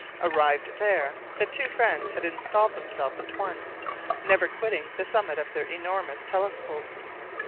Arrived there, the two friends had installed themselves at once, never quitting the summit of their enormous telescope.